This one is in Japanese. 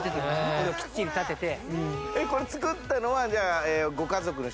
これをきっちり立てて。